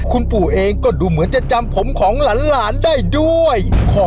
คุณปู่เองก็ดูเหมือนจะจำผมของหลานได้ด้วย